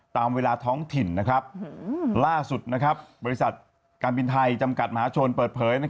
ตามเวลาท้องถิ่นล่าสุดบริษัทการบินไทยจำกัดมหาชนเปิดเผย